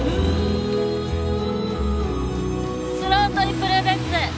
スロートリプルルッツ！